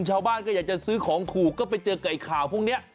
ชาวบ้านก็อยากจะซื้อของถูกก็ไปเจอกับไอ้ข่าวพวกนี้